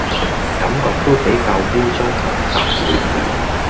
感覺都比較污糟同雜亂